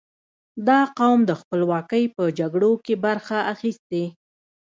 • دا قوم د خپلواکۍ په جګړو کې برخه اخیستې.